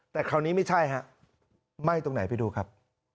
แต่คราวนี้ไม่ใช่ฮะไหม้ตรงไหนไปดูครับ